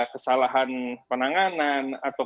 kesalahan penanganan atau